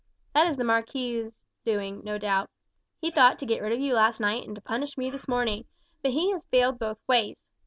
That is the marquis's doing, no doubt. He thought to get rid of you last night and to punish me this morning; but he has failed both ways.